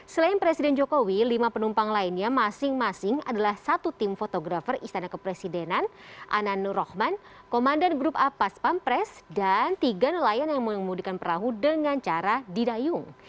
selain presiden jokowi lima penumpang lainnya masing masing adalah satu tim fotografer istana kepresidenan ananur rohman komandan grup a pas pampres dan tiga nelayan yang mengemudikan perahu dengan cara didayung